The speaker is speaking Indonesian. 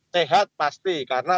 sehat pasti karena